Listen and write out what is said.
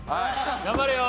頑張れよ！